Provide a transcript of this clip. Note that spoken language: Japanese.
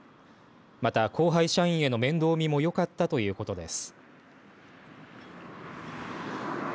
また後輩社員への面倒見もよかったということです。